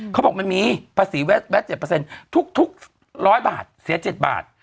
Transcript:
เขาบอกมันมีภาษีแวดแวดเจ็ดเปอร์เซ็นต์ทุกทุกร้อยบาทเสียเจ็ดบาท